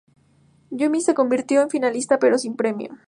Yumi se convirtió en finalista, pero sin premio.